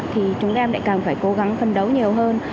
thì chúng em lại càng phải cố gắng phân đấu nhiều hơn